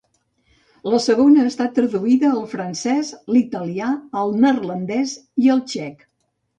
La segona ha estat traduïda al francès, l’italià, el neerlandès i el txec.